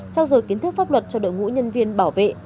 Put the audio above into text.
trao dồi kiến thức pháp luật cho đội ngũ nhân viên bảo vệ